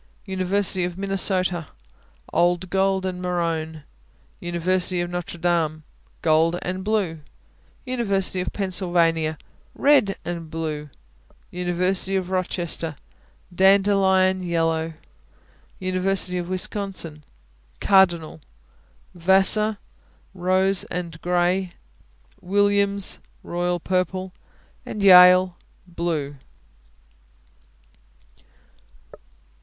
University of Minnesota Old gold and maroon. University of Notre Dame Gold and blue. University of Pennsylvania Red and blue. University of Rochester Dandelion yellow. University of Wisconsin Cardinal. Vassar Rose and gray. Williams Royal purple. Yale Blue.